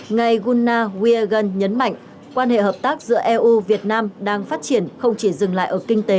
ngài guna wiegun nhấn mạnh quan hệ hợp tác giữa eu việt nam đang phát triển không chỉ dừng lại ở kinh tế